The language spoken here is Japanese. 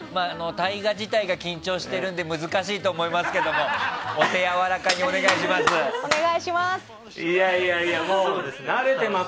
ＴＡＩＧＡ自体が緊張しているので難しいと思いますけれどもお手柔らかにお願いします。